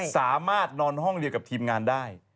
นอนห้องเดียวกับทีมงานได้